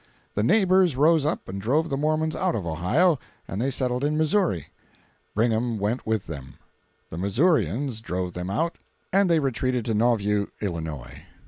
The neighbors rose up and drove the Mormons out of Ohio, and they settled in Missouri. Brigham went with them. The Missourians drove them out and they retreated to Nauvoo, Illinois.